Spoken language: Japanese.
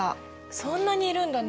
そんなにいるんだね。